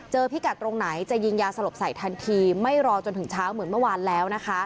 พิกัดตรงไหนจะยิงยาสลบใส่ทันทีไม่รอจนถึงเช้าเหมือนเมื่อวานแล้วนะคะ